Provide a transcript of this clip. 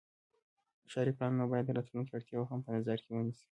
ښاري پلانونه باید د راتلونکي اړتیاوې هم په نظر کې ونیسي.